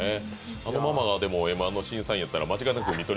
あのママがＭ−１の審査員だったら、間違いなく見取り